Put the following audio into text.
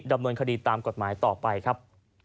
ดำเนินคดีตามกฎหมายต่อไปครับ